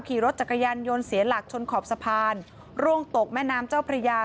ขี่รถจักรยานยนต์เสียหลักชนขอบสะพานร่วงตกแม่น้ำเจ้าพระยา